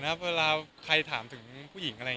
เค๋นครับเวลาใครถามถึงผู้หญิงก็เกิดน้อย